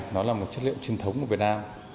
nó là một chất liệu truyền thống của việt nam